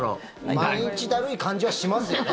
毎日だるい感じはしますよね。